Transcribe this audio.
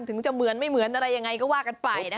ถึงจะเหมือนไม่เหมือนอะไรยังไงก็ว่ากันไปนะคะ